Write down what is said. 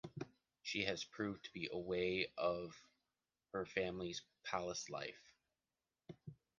She has proved to be away of her family’s palace life.